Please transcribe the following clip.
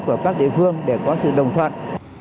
của các địa phương để có sự đồng thuận